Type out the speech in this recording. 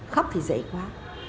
khóc thì dễ quá